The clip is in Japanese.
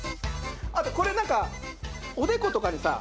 あとこれなんかおでことかにさ。